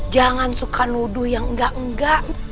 jangan suka nuduh yang enggak enggak